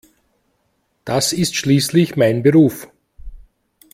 Das ist schließlich mein Beruf.